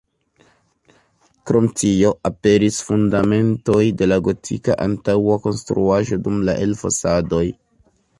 Krom tio aperis fundamentoj de la gotika antaŭa konstruaĵo dum la elfosadoj.